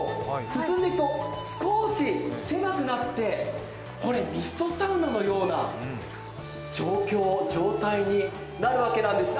進んでいくと少し狭くなって、ミストサウナのような状態になるわけなんです。